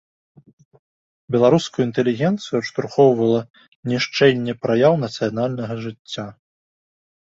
Беларускую інтэлігенцыю адштурхоўвала нішчэнне праяў нацыянальнага жыцця.